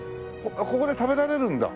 ここで食べられるんだ？